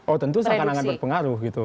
oh tentu seakan akan berpengaruh gitu